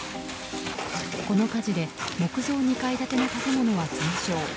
この火事で木造２階建ての建物は全焼。